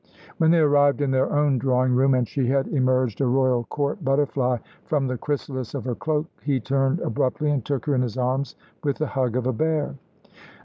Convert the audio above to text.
When they arrived in their own drawing room, and she had emerged a royal court butterfly from the chrysalis of her cloak, he turned abruptly and took her in his arms with the hug of a bear.